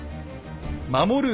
守る